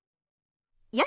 よし！